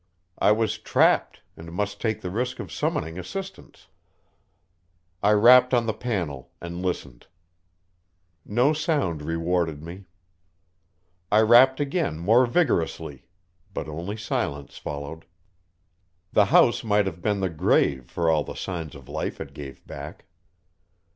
I was trapped, and must take the risk of summoning assistance. I rapped on the panel and listened. No sound rewarded me. I rapped again more vigorously, but only silence followed. The house might have been the grave for all the signs of life it gave back.